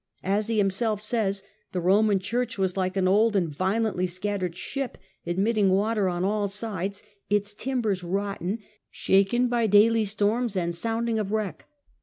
As he himself says, the Eoman Church was " like an old and violently scattered ship, admitting water on all sides, its timbers rotten, shaken by daily storms, and sounding of wreck